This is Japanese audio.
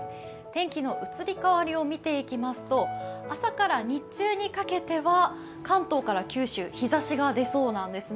天気の移り変わりを見ていきますと、朝から日中にかけては関東から九州、日ざしが出そうなんです。